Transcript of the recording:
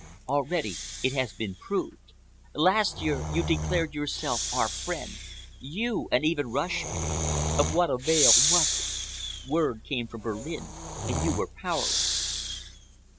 Already it has been proved. Last year you declared yourself our friend—you and even Russia. Of what avail was it? Word came from Berlin and you were powerless."